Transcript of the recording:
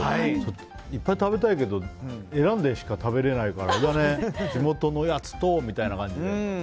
いっぱい食べたいけど選んでしか食べられないから地元のやつとみたいな感じだ。